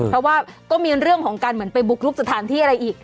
เพราะว่าก็มีเรื่องของการเหมือนไปบุกลุกสถานที่อะไรอีก